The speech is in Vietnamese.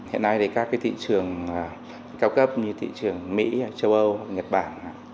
hiện nay các thị trường cao cấp như thị trường mỹ châu âu nhật bản